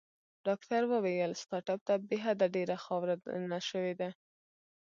ډاکټر وویل: ستا ټپ ته بې حده ډېره خاوره دننه شوې ده.